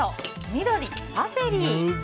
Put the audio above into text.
緑、パセリ。